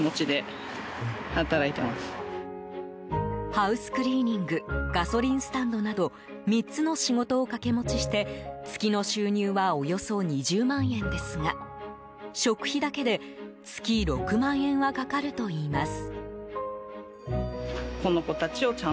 ハウスクリーニングガソリンスタンドなど３つの仕事を掛け持ちして月の収入はおよそ２０万円ですが食費だけで月６万円はかかるといいます。